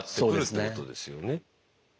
そうですね。